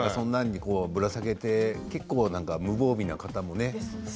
ぶら下げて結構、無防備な方もね。